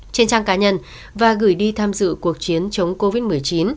trên trang cá nhân và gửi đi tham dự cuộc chiến chống covid một mươi chín